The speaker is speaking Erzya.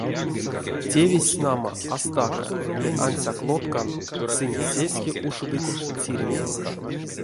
Тевесь, нама, а стака, ды ансяк лоткан, сынь сеске ушодыть цирнеме.